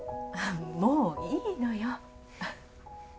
もういいのよ。